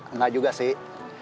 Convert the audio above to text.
enggak juga sih